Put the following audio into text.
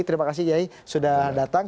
terima kasih kiai sudah datang